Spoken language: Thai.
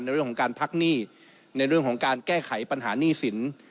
ในเรื่องของการพักหนี้ในเรื่องของการแก้ไขปัญหาหนี้สิน